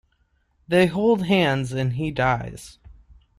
They hold hands and he dies.